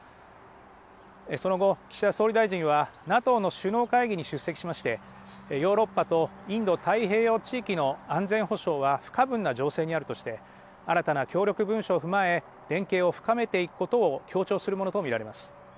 その後、岸田総理大臣はＮＡＴＯの首脳会議に出席しましてヨーロッパとインド太平洋地域の安全保障は不可分な情勢にあるとして新たな協力文書を踏まえ連携を深めていくことを強調するものと見られます。